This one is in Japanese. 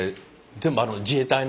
全部自衛隊の。